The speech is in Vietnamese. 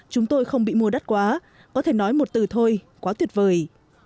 chúng tôi không bị mua đắt quá có thể nói một từ thôi quá tuyệt vời